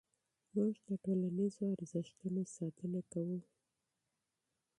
موږ د ټولنیزو ارزښتونو ساتنه کوو.